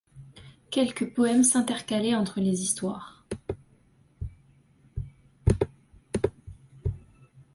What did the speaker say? Quelques poèmes s’intercalaient entre les histoires.